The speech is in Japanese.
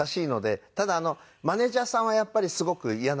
ただマネジャーさんはやっぱりすごく嫌な顔をする方が。